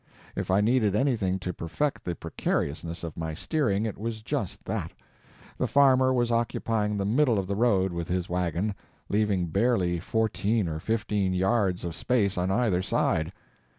If I needed anything to perfect the precariousness of my steering, it was just that. The farmer was occupying the middle of the road with his wagon, leaving barely fourteen or fifteen yards of space on either side.